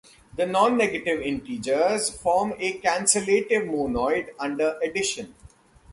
The non-negative integers form a cancellative monoid under addition.